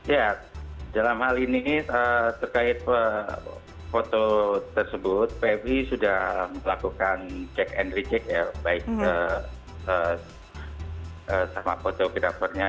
ya dalam hal ini terkait foto tersebut pfi sudah melakukan cek and recheck ya baik sama fotografernya